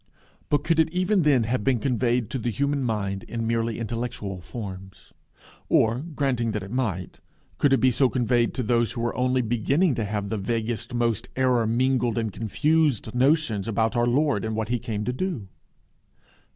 But could it even then have been conveyed to the human mind in merely intellectual forms? Or, granting that it might, could it be so conveyed to those who were only beginning to have the vaguest, most error mingled and confused notions about our Lord and what he came to do?